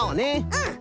うん。